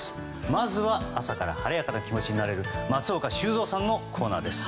まずは、朝から晴れやかな気持ちになれる松岡修造さんのコーナーです。